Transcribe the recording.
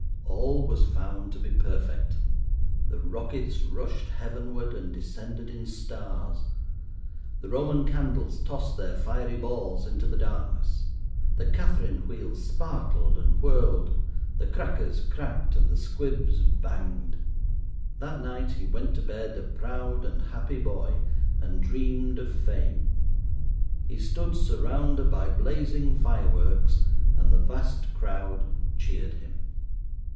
All was found to be perfect. The rockets rushed heavenward and descended in stars, the Roman candles tossed their fiery balls into the darkness, the Catherine wheels sparkled and whirled, the crackers cracked, and the squibs banged. That night he went to bed a proud and happy boy, and dreamed of fame. He stood surrounded by blazing fireworks, and the vast crowd cheered him.